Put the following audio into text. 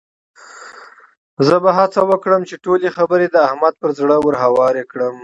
زه به هڅه وکړم چې ټولې خبرې د احمد پر زړه ورهوارې کړم.